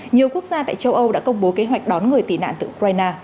nhiều quốc gia tại châu âu đã công bố kế hoạch đón người tị nạn từ ukraine